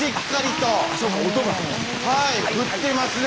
はい降ってますね。